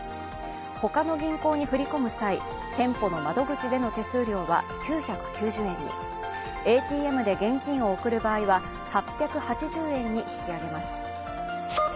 他の銀行に振り込む際、店舗の窓口での手数料は９９０円に、ＡＴＭで現金を送る場合は８８０円に引き上げます。